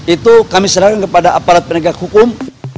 itu kami serahkan kepada aparat penegak hukum